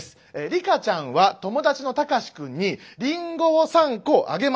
リカちゃんは友達のタカシ君にリンゴを３個あげました。